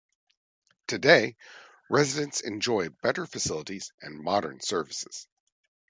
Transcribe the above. Today, residents enjoy better facilities and modern services.